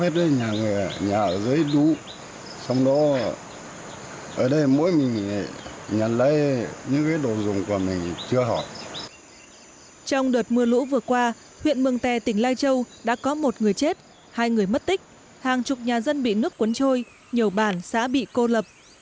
trong đợt mưa lũ vừa qua huyện mường tè tỉnh lai châu đã có một người chết hai người mất tích hàng chục nhà dân bị nước cuốn trôi nhiều bản xã bị cô lập